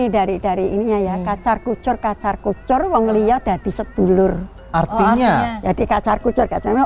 dari darinya ya kacar kucur kacar kucur pattaya jadi sedulur jadi kacar kucur karena